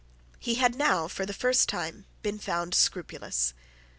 He had now, for the first time, been found scrupulous.